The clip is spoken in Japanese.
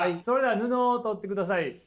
それでは布を取ってください。